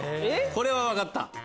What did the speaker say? これは分かった。